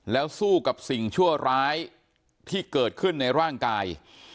แล้วสู้กับสิ่งชั่วร้ายที่เกิดขึ้นในร่างกาย